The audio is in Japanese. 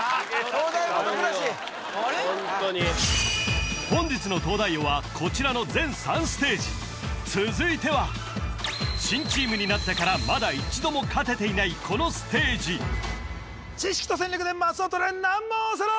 ・灯台下暗し本日の「東大王」はこちらの全３ステージ続いては新チームになってからまだ一度も勝てていないこのステージ知識と戦略でマスを取れ！難問オセロ！